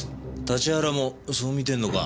立原もそう見てんのか？